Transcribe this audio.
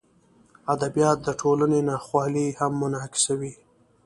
ادبیات د ټولنې ناخوالې هم منعکسوي.